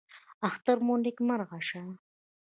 اختر مو نیکمرغه شه